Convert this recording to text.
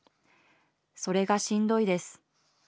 それがしんどいです。